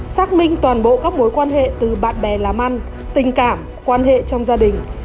xác minh toàn bộ các mối quan hệ từ bạn bè làm ăn tình cảm quan hệ trong gia đình